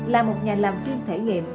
là một nhà làm chuyên thể nghiệm